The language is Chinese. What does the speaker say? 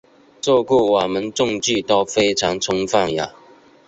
这个我们证据都非常充分呀。